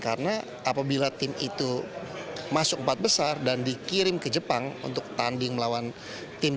karena apabila tim itu masuk keempat besar dan dikirim ke jepang untuk tanding melawan tim